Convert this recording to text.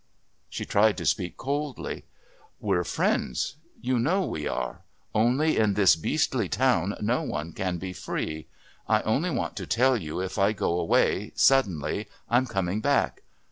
She tried to speak coldly. "We're friends. You know we are. Only in this beastly town no one can be free.... I only want to tell you if I go away suddenly I'm coming back.